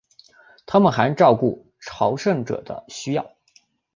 他们还照顾朝圣者的需要。